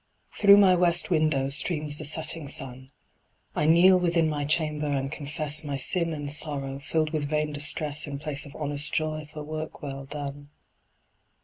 Through my west window streams the setting sun. I kneel within my chamber, and confess My sin and sorrow, filled with vain distress, In place of honest joy for work well done.